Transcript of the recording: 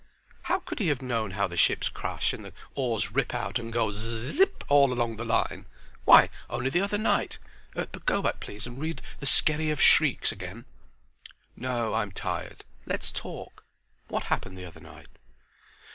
"How could he have known how the ships crash and the oars rip out and go z zzp all along the line? Why only the other night—But go back please and read 'The Skerry of Shrieks' again." "No, I'm tired. Let's talk. What happened the other night?"